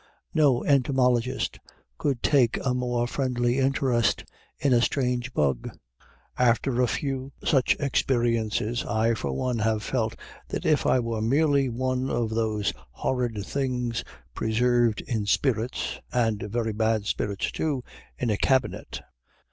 No entomologist could take a more friendly interest in a strange bug. After a few such experiences, I, for one, have felt as if I were merely one of those horrid things preserved in spirits (and very bad spirits, too) in a cabinet.